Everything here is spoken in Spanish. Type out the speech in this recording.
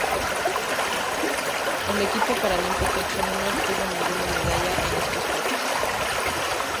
El equipo paralímpico chino no obtuvo ninguna medalla en estos Juegos.